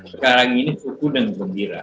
sekarang ini suku dengan gembira